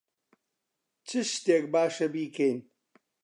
چ شتێک باشە بیکەین؟